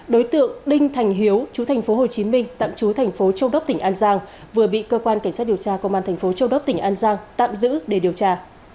đối tượng đinh thành hiếu chú thành phố hồ chí minh tạm chú thành phố châu đốc tỉnh an giang vừa bị cơ quan cảnh sát điều tra công an thành phố châu đốc tỉnh an giang tạm giữ để điều tra